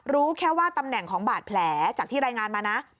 รู้แค่ว่าตำแหน่งของบาดแผลจากที่รายงานมานะ